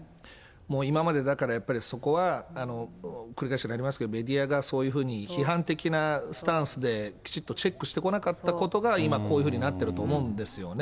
もう今までだからやっぱり、そこは繰り返しになりますけど、メディアがそういうふうに批判的なスタンスできちっとチェックしてこなかったことが、今こういうふうになってると思うんですよね。